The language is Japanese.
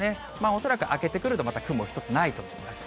恐らく明けてくるとまた雲一つないと思います。